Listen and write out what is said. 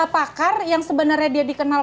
pakar yang sebenarnya dia dikenal